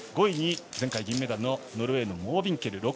５位に前回、銀メダルのノルウェーのモービンケル。